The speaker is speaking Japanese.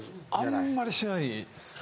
あんまりしないですね。